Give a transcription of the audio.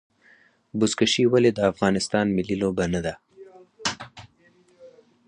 بزکشي ولې د افغانستان ملي لوبه نه ده؟